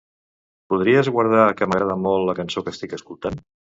Podries guardar que m'agrada molt la cançó que estic escoltant?